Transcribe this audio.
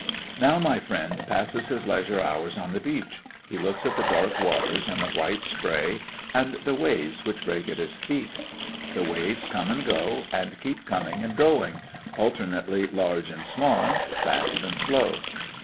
Now my friend passes his leisure hours on the beach. He looks at the dark waters, and the white spray, and the waves which break at his feet. The waves come and go, and keep coming and going, alternately large and small, fast and slow.